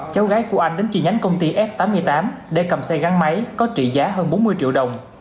cháu gái của anh đến chi nhánh công ty f tám mươi tám để cầm xe gắn máy có trị giá hơn bốn mươi triệu đồng